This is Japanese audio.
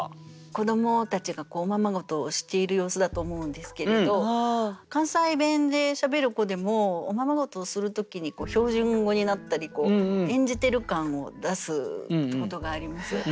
子どもたちがおままごとをしている様子だと思うんですけれど関西弁でしゃべる子でもおままごとをする時に標準語になったり演じてる感を出すってことがあります。